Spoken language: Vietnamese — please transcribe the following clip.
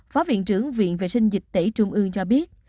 phó viện trưởng viện vệ sinh dịch tễ trung ương cho biết